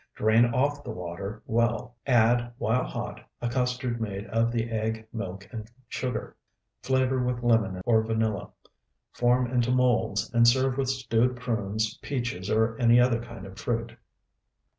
Drain off the water well. Add, while hot, a custard made of the egg, milk, and sugar. Flavor with lemon or vanilla. Form into molds, and serve with stewed prunes, peaches, or any other kind of fruit.